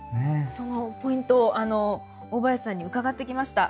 そのポイント大林さんに伺ってきました。